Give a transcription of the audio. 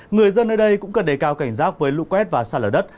người dân ở đây cũng cần đầy cao cảnh rác với lũ quét và sạt lở đất